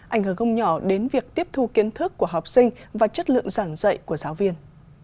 ảnh hưởng không nhỏ đến việc tiếp thu kiến thức của học sinh và chất lượng giảng dạy của giáo viên